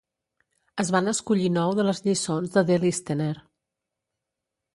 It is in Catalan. Es van escollir nou de les lliçons de The Listener.